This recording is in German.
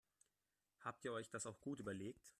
Habt ihr euch das auch gut überlegt?